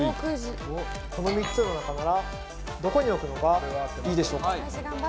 この３つの中ならどこに置くのがいいでしょうか。